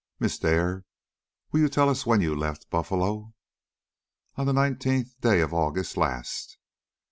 "Miss Dare, will you tell us when you left Buffalo?" "On the nineteenth day of August last."